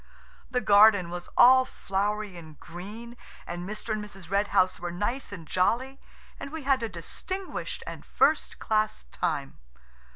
The garden was all flowery and green, and Mr. and Mrs. Red House were nice and jolly, and we had a distinguished and first class time.